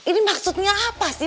ini maksudnya apa sih